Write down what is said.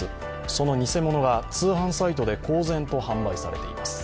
その偽物が通販サイトで公然と販売されています。